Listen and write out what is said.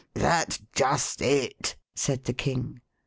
That's just it/' said the King.